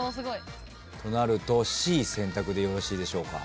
Ｃ選択でよろしいでしょうか？